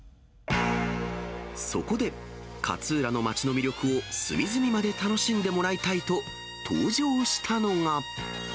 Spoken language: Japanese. そこで、勝浦の町の魅力を隅々まで楽しんでもらいたいと登場したのが。